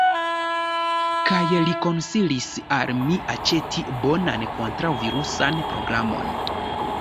Kaj li konsilis al mi aĉeti bonan kontraŭvirusan programon.